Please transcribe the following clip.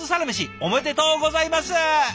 おめでとうございます！